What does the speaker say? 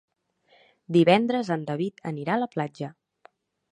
Divendres en David anirà a la platja.